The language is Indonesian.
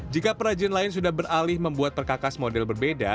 jika perajin lain sudah beralih membuat perkakas model berbeda